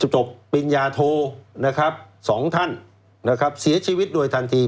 จบเป็นยาโท๒ท่านเสียชีวิตด้วยทันที